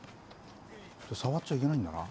触っちゃいけないんだな。